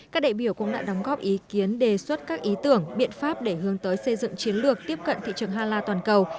các đại biểu cũng đã đóng góp ý kiến đề xuất các ý tưởng biện pháp để hướng tới xây dựng chiến lược tiếp cận thị trường hala toàn cầu